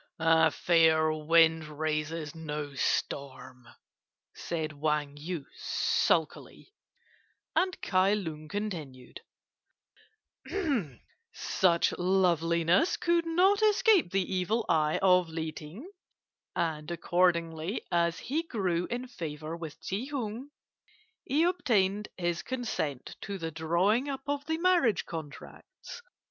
"A fair wind raises no storm," said Wang Yu sulkily; and Kai Lung continued: "Such loveliness could not escape the evil eye of Li Ting, and accordingly, as he grew in favour with Ti Hung, he obtained his consent to the drawing up of the marriage contracts.